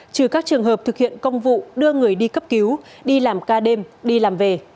trừ các trường hợp thực hiện công vụ đưa người đi cấp cứu đi làm ca đêm đi làm về